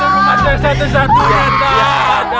striker untuk pribadi